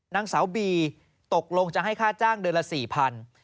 นางสาวบีตกลงจะให้ค่าจ้างเดือนละ๔๐๐บาท